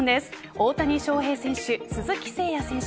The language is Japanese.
大谷翔平選手、鈴木誠也選手